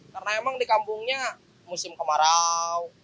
karena emang di kampungnya musim kemarau